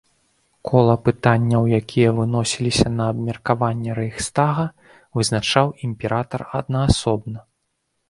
Кола пытанняў, якія выносіліся на абмеркаванне рэйхстага, вызначаў імператар аднаасобна.